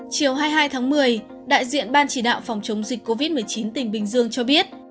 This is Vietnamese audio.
chiều hai mươi hai tháng một mươi đại diện ban chỉ đạo phòng chống dịch covid một mươi chín tỉnh bình dương cho biết